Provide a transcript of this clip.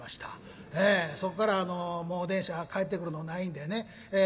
そこからもう電車が帰ってくるのないんでね